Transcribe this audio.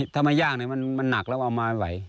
ถ้าไม่ย่างมันหนักแล้วเอามาไหว